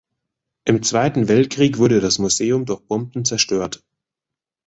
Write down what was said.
Im Zweiten Weltkrieg wurde das Museum durch Bomben zerstört.